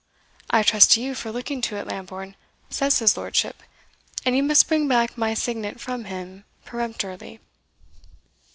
I trust to you for looking to it, Lambourne, says his lordship, and you must bring back my signet from him peremptorily."